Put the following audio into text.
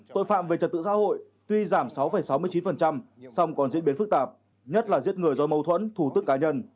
tội phạm về trật tự xã hội tuy giảm sáu sáu mươi chín song còn diễn biến phức tạp nhất là giết người do mâu thuẫn thủ tức cá nhân